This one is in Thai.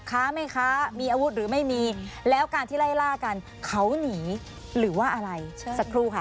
ค้าแม่ค้ามีอาวุธหรือไม่มีแล้วการที่ไล่ล่ากันเขาหนีหรือว่าอะไรสักครู่ค่ะ